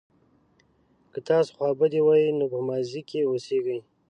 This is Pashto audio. که تاسو خوابدي وئ نو په ماضي کې اوسیږئ.